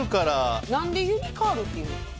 なんでユニカールっていうの？